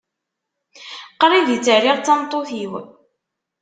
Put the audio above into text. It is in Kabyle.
Qrib i tt-rriɣ d tameṭṭut-iw.